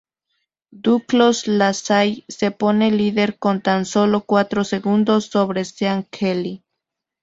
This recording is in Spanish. Duclos-Lassalle se pone líder con tan solo cuatro segundos sobre Sean Kelly.